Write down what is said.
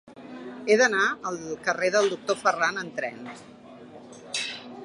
He d'anar al carrer del Doctor Ferran amb tren.